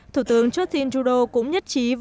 thủ tướng justin trudeau cũng nhất trí với đồng ý